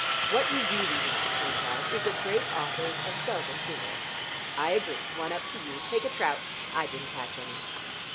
What you really want to point out is that great authors are seldom humorous. I agree: one up to you. Take a trout I didn't catch any."